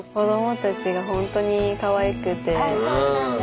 あそうなんだ。